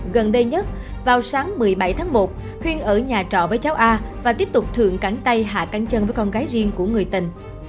gần đây nhất vào sáng một mươi bảy tháng một khuyên ở nhà trọ với cháu a và tiếp tục thượng cảnh tay hạ cánh chân với con gái riêng của người tình